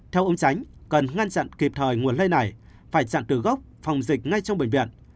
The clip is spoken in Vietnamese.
theo ứng tránh cần ngăn chặn kịp thời nguồn lây này phải chặn từ gốc phòng dịch ngay trong bệnh viện